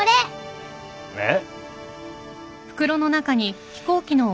えっ？